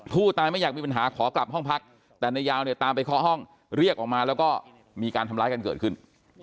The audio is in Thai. ผู้ตายไม่อยากมีปัญหาขอกลับห้องพักแต่นายยาวเนี่ยตามไปเคาะห้องเรียกออกมาแล้วก็มีการทำร้ายกันเกิดขึ้น